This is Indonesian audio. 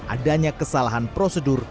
adanya kesalahan prosedur